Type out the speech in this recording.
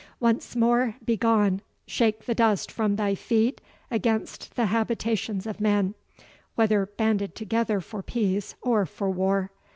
Once more, begone shake the dust from thy feet against the habitations of men, whether banded together for peace or for war.